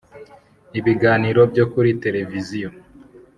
Ibiganiro byo kuri tereviziyo